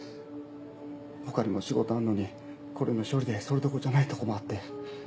他にも仕事あんのにこれの処理でそれどころじゃないとこもあって。